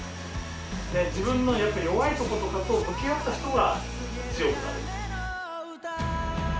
自分の弱いところとかと向き合った人が、強くなれる。